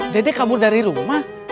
dede kabur dari rumah